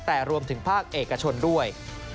แต่รวมถึงภาคเอกชนด้วย